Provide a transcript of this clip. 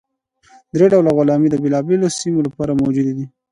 درې ډوله علامې د بېلابېلو سیمو لپاره موجودې دي.